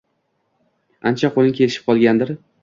ancha qo’ling kelishib qolgandir